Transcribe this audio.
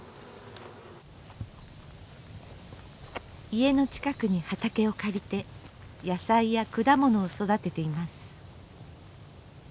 家の近くに畑を借りて野菜や果物を育てています。